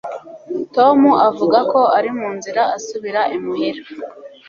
Tom avuga ko ari mu nzira asubira imuhira